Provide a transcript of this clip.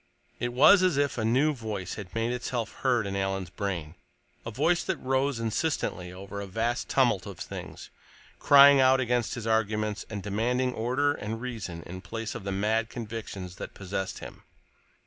_ It was as if a new voice had made itself heard in Alan's brain, a voice that rose insistently over a vast tumult of things, crying out against his arguments and demanding order and reason in place of the mad convictions that possessed him.